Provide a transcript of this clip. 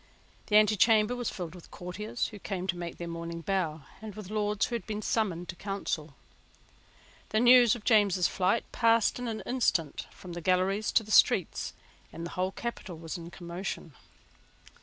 The antechamber was filled with courtiers who came to make their morning bow and with Lords who had been summoned to Council. The news of James's flight passed in an instant from the galleries to the streets; and the whole capital was in commotion.